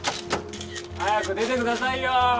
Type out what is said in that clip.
早く出てくださいよ！